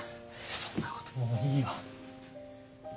そんなこともういいよ。